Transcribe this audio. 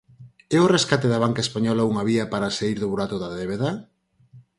É o rescate da banca española unha vía para saír do burato da débeda?